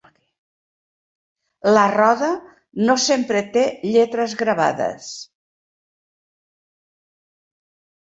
La roda no sempre té lletres gravades.